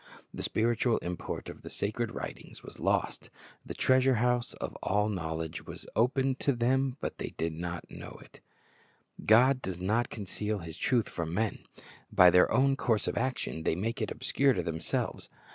The spiritual import of the sacred writings was lost. The treasure house of all knowledge was open to them, but they knew it not. God does not conceal His truth from men. By their own course of action they make it obscure to themselves.